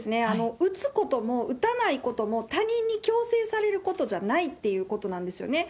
打つことも打たないことも、他人に強制されることじゃないっていうことなんですよね。